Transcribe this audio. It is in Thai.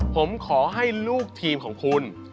ผมขอให้ลูกทีมของคุณ